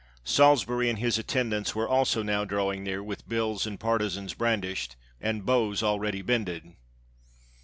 Sahsbury and his attendants were also now draw ing near, with bills and partisans brandished, and bows already bended.